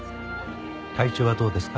体調はどうですか？